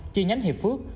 chi nhánh hiệp phước